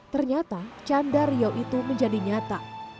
ternyata canda rio itu menjadi nyata